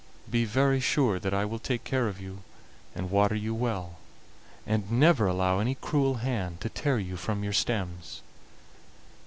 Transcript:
Be very sure that I will take care of you, and water you well, and never allow any cruel hand to tear you from your stems."